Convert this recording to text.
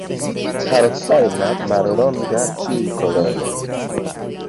Haro fajna, mallonga, ĉiuj koloroj.